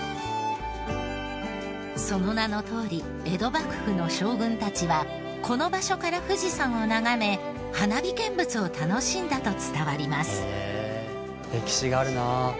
その名のとおり江戸幕府の将軍たちはこの場所から富士山を眺め花火見物を楽しんだと伝わります。